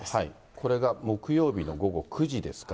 これが木曜日の午後９時ですから。